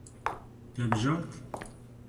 Te bijart.